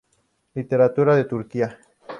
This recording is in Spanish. Literatura de Turquía